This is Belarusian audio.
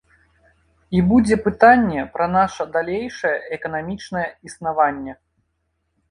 І будзе пытанне пра наша далейшае эканамічнае існаванне.